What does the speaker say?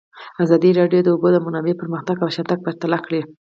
ازادي راډیو د د اوبو منابع پرمختګ او شاتګ پرتله کړی.